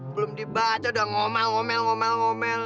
belum dibaca udah ngomel ngomel